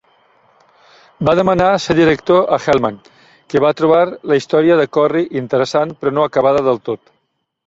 Va demanar ser director a Hellman, que va trobar la història de Corry "interessant, però no acabada del tot".